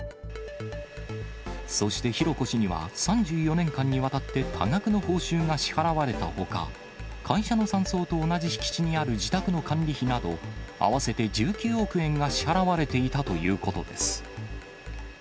そして浩子氏には、３４年間にわたって多額の報酬が支払われたほか、会社の山荘と同じ敷地にある自宅の管理費など、合わせて１９億円が支払われていたということです。